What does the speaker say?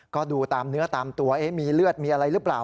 ก็ดูตามเนื้อตามตัวมีเลือดมีอะไรหรือเปล่า